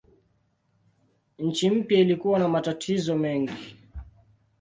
Nchi mpya ilikuwa na matatizo mengi.